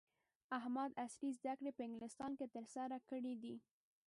احمد عصري زده کړې په انګلستان کې ترسره کړې دي.